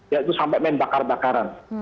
yaitu sampai main bakar bakaran